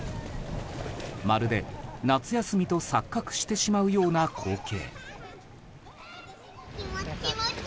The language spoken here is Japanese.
まるで夏休みと錯覚してしまうような光景。